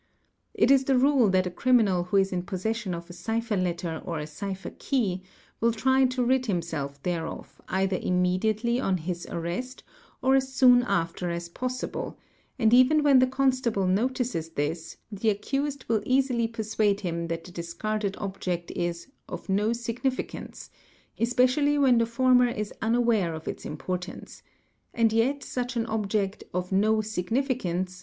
"It is the rule that a criminal who is in possession of a cipher letter or a cipher key will try to rid himself thereof either immediately on his arrest or as soon after as possible, and even when the constable notices this, the wccused will easily persuade him that the discarded object is ''of no ignificance ", especially when the former is unaware of its importance ; and yet such an object "of no significance", ¢.